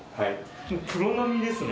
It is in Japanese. プロ並みですね